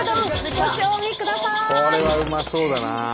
これはうまそうだな。